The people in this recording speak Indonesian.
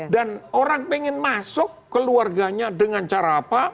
dan orang pengen masuk keluarganya dengan cara apa